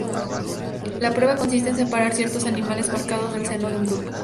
La prueba consiste en separar ciertos animales marcados del seno de un grupo.